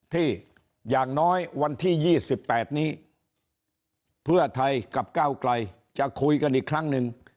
อย่างน้อยวันที่๒๘นี้เพื่อไทยกับก้าวไกลจะคุยกันอีกครั้งหนึ่ง